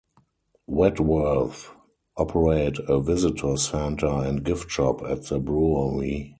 Wadworth operate a Visitor Centre and gift shop at the brewery.